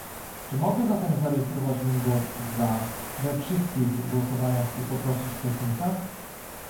Czy mogę zatem zarejestrować mój głos "za" we wszystkich głosowaniach i poprosić technika?